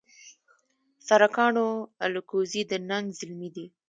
سرکاڼو الکوزي د ننګ زلمي دي